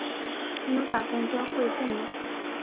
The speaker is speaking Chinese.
你有打算缴会费吗？